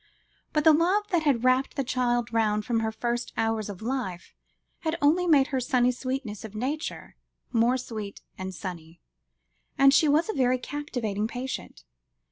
But the love that had wrapped the child round from her first hours of life, had only made her sunny sweetness of nature more sweet and sunny, and she was a very captivating patient.